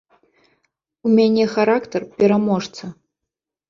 У мяне характар пераможцы.